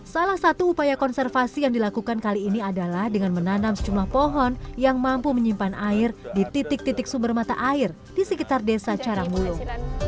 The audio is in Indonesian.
salah satu upaya konservasi yang dilakukan kali ini adalah dengan menanam sejumlah pohon yang mampu menyimpan air di titik titik sumber mata air di sekitar desa caramulung